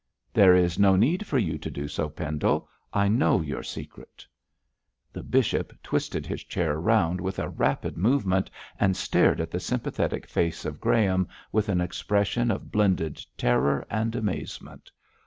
'There is no need for you to do so, Pendle. I know your secret.' The bishop twisted his chair round with a rapid movement and stared at the sympathetic face of Graham with an expression of blended terror and amazement.